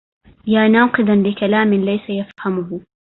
يا ناقدا لكلام ليس يفهه